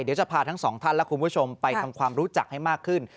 เดี๋ยวจะพาทั้งสองท่านและคุณผู้ชมไปทำความรู้จักให้มากขึ้น